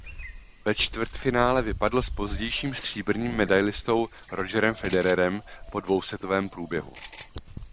Ve čtvrtfinále vypadl s pozdějším stříbrným medailistou Rogerem Federerem po dvousetovém průběhu.